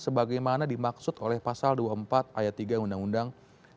sebagaimana dimaksud oleh pasal dua puluh empat ayat tiga undang undang seribu sembilan ratus empat puluh lima